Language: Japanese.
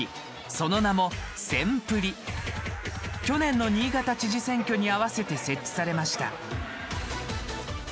その名も去年の新潟知事選挙に合わせて設置されました。